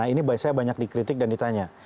ini saya banyak dikritik dan ditanya